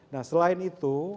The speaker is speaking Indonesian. nah selain itu